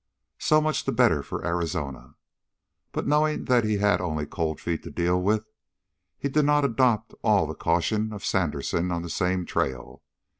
So much the better for Arizona. But, knowing that he had only Cold Feet to deal with, he did not adopt all the caution of Sandersen on the same trail.